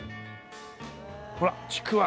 ほら「ちくわ」。